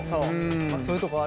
そういうとこある。